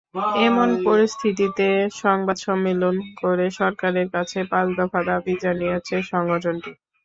এমন পরিস্থিতিতে সংবাদ সম্মেলন করে সরকারের কাছে পাঁচ দফা দাবি জানিয়েছে সংগঠনটি।